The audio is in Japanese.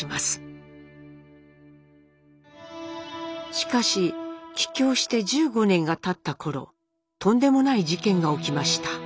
しかし帰郷して１５年がたったころとんでもない事件が起きました。